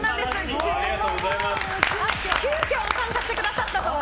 急きょ参加してくださったと。